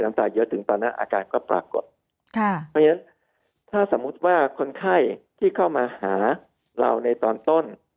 ตาเยอะถึงตอนนั้นอาการก็ปรากฏค่ะเพราะฉะนั้นถ้าสมมุติว่าคนไข้ที่เข้ามาหาเราในตอนต้น